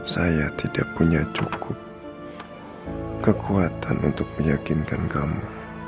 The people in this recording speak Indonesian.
saya tidak punya cukup kekuatan untuk meyakinkan kamu